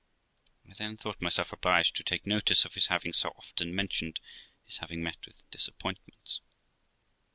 I then thought myself obliged to take notice of his having so often mentioned his having met with disappointments.